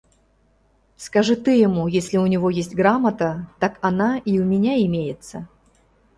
Скажи ты ему, если у него есть грамота, так она и у меня имеется.